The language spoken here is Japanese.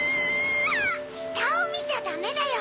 したをみちゃダメだよ。